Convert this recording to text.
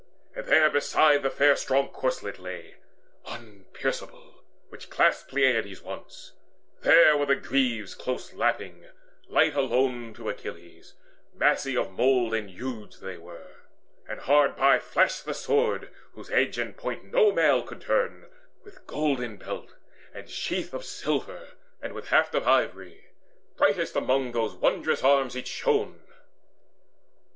And therebeside the fair strong corslet lay, Unpierceable, which clasped Peleides once: There were the greaves close lapping, light alone To Achilles; massy of mould and huge they were. And hard by flashed the sword whose edge and point No mail could turn, with golden belt, and sheath Of silver, and with haft of ivory: Brightest amid those wondrous arms it shone.